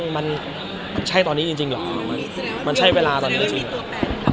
มันใช่ตอนนี้จริงเหรอมันใช่เวลาตอนนี้จริงเหรอ